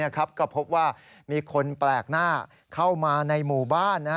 ก็พบว่ามีคนแปลกหน้าเข้ามาในหมู่บ้าน